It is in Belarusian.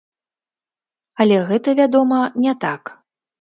Але гэта, вядома, не так.